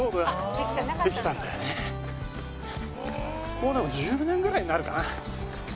もう多分１０年ぐらいになるかな。